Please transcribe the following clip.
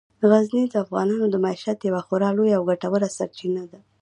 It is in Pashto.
غزني د افغانانو د معیشت یوه خورا لویه او ګټوره سرچینه ده.